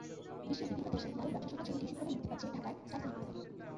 বিশ্বের বিভিন্ন দেশে দারুণ ব্যবসাসফল ছবিটি শুক্রবার মুক্তি পাচ্ছে ঢাকায় স্টার সিনেপ্লেক্সে।